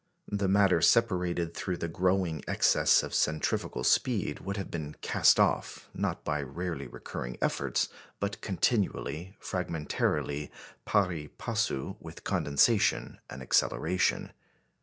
The matter separated through the growing excess of centrifugal speed would have been cast off, not by rarely recurring efforts, but continually, fragmentarily, pari passu with condensation and acceleration.